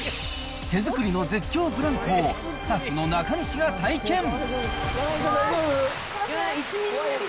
手作りの絶叫ブランコを、スタッフの中西が体験。